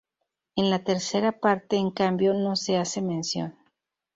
En la tercera parte en cambio no se hace mención.